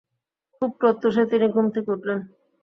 খুব প্রত্যুষে তিনি ঘুম থেকে উঠলেন।